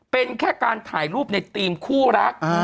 เป็นแค่การถ่ายรูปในธีมคู่รัก